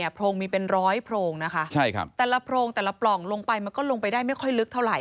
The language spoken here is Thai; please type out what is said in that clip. โพรงมีเป็นร้อยโพรงนะคะแต่ละโพรงแต่ละปล่องลงไปมันก็ลงไปได้ไม่ค่อยลึกเท่าไห